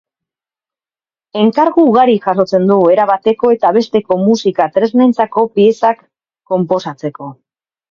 Enkargu ugari jasotzen du, era bateko eta besteko musika-tresnentzako piezak konposatzeko.